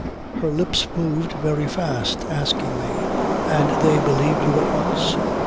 Her lips moved very fast asking me: "And they believed you at once?"